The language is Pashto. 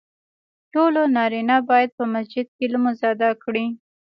ټولو نارینه باید په مسجد کې لمونځ ادا کړي .